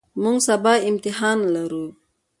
موږ سبا امتحان لرو.